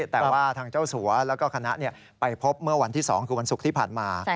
แต่ว่าทางเจ้าสัวแล้วก็คณะไปพบเมื่อวันที่๒คือวันศุกร์ที่ผ่านมา